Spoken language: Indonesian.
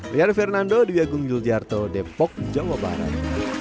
liar fernando di agung yuljarto depok jawa barat